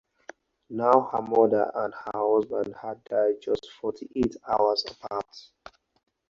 Now her mother and her husband had died just forty-eight hours apart.